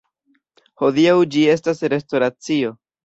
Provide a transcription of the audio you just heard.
Hodiaŭ ĝi estas restoracio.